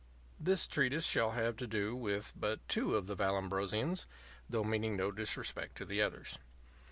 This treatise shall have to do with but two of the Vallambrosians though meaning no disrespect to the others.